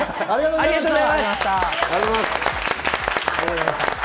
ありがとうございます。